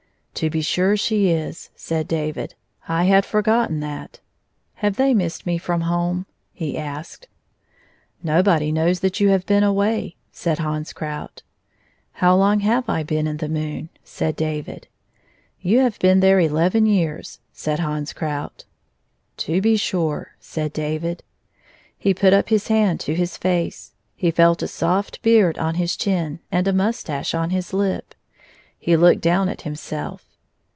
" To be sure she is," said David, " I had for gotten that. Have they missed me from home 1 " he asked. "Nobody knows that you have been away,'* said Hans Krout. " How long have I been in the moon ?" said David. " You have been there eleven years," said Hans Krout. " To be sure," said David. He put up his hand to his face. He felt a soft beard on his chin and a moustache on his lip. He looked down at him self.